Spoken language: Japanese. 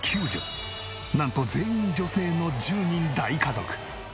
なんと全員女性の１０人大家族。